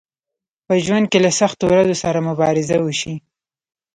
په ژوند کې له سختو ورځو سره مبارزه وشئ